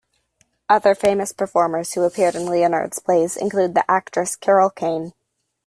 Other famous performers who appeared in Leonard's plays include the actress Carol Kane.